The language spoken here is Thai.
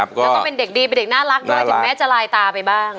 แล้วก็เป็นเด็กหน่าลักนะครับเด็กใม่จะลายตาไปบ้าง